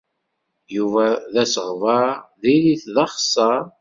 Yuba d asegbar diri-t d axeṣṣar.